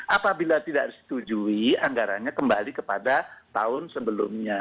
apabila tidak ditetujui anggaranya kembali kepada tahun sebelumnya